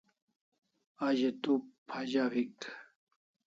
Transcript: A ze tu phazaw hik